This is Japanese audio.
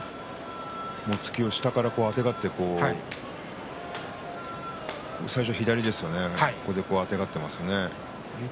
突きを下からあてがって最初、左ですよねあてがっています。